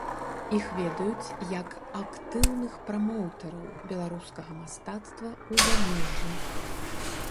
Іх ведаюць як актыўных прамоўтэраў беларускага мастацтва ў замежжы.